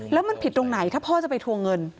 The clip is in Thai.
แล้วมันผิดตรงไหนถ้าพ่อจะไปทวงเงิน